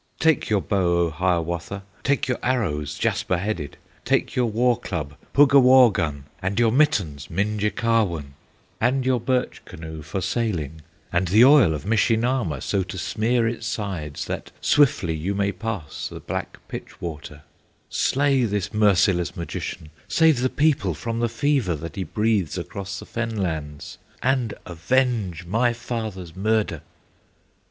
"Take your bow, O Hiawatha, Take your arrows, jasper headed, Take your war club, Puggawaugun, And your mittens, Minjekahwun, And your birch canoe for sailing, And the oil of Mishe Nahma, So to smear its sides, that swiftly You may pass the black pitch water; Slay this merciless magician, Save the people from the fever That he breathes across the fen lands, And avenge my father's murder!"